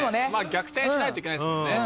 ・逆転しないといけないですもんね。